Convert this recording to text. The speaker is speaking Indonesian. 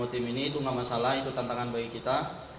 tim ini itu gak masalah itu tantangan bagi kita